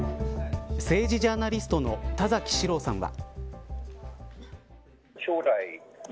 政治ジャーナリストの田崎史郎さんは。